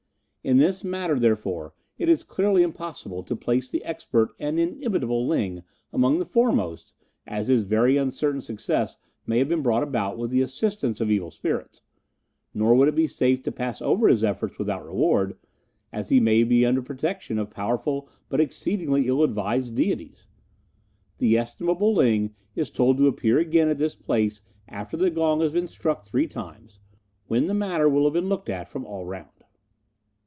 In this matter, therefore, it is clearly impossible to place the expert and inimitable Ling among the foremost, as his very uncertain success may have been brought about with the assistance of evil spirits; nor would it be safe to pass over his efforts without reward, as he may be under the protection of powerful but exceedingly ill advised deities. The estimable Ling is told to appear again at this place after the gong has been struck three times, when the matter will have been looked at from all round."